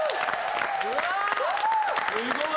・すごい！